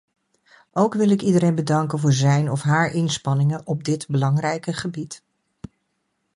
Ook wil ik iedereen bedanken voor zijn of haar inspanningen op dit belangrijke gebied.